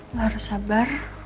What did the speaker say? lo harus sabar